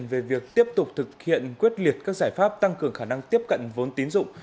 về việc tiếp tục thực hiện quyết liệt các giải pháp tăng cường khả năng tiếp cận vốn tín dụng